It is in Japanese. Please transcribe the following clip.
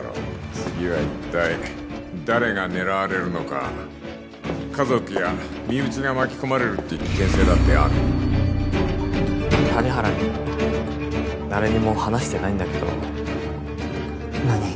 次は一体誰が狙われるのか家族や身内が巻き込まれるって危険性だってある谷原にも誰にも話してないんだけど何？